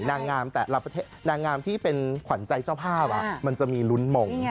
นางามแต่นางามที่ควรใจเจ้าภาพมันจะมีลุนมง